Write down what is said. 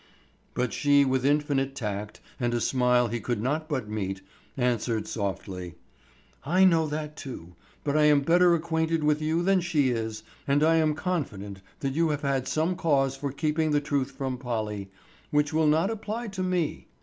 But she with infinite tact and a smile he could not but meet, answered softly: "I know that too; but I am better acquainted with you than she is, and I am confident that you have had some cause for keeping the truth from Polly, which will not apply to me.